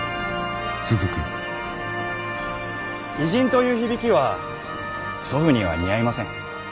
偉人という響きは祖父には似合いません。